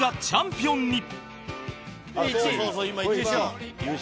チャンピオン。